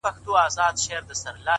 پرمختګ د دوام غوښتنه کوي’